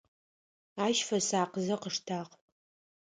Ащ фэсакъзэ къыштагъ.